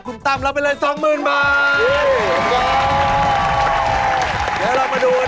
คุณตั้มรับไปเลย๒๐๐๐๐บาท